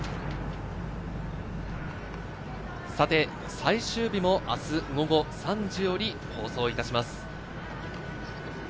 最終日も明日午後３時より放送いたします。